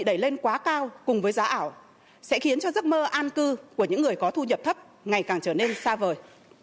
đẩy lên quá cao cùng với giá ảo sẽ khiến cho giấc mơ an cư của những người có thu nhập thấp ngày càng trở nên xa vời